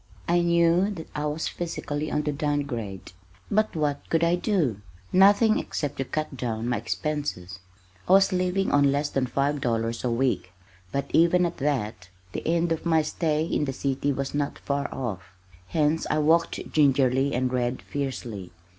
I knew that I was physically on the down grade, but what could I do? Nothing except to cut down my expenses. I was living on less than five dollars a week, but even at that the end of my stay in the city was not far off. Hence I walked gingerly and read fiercely.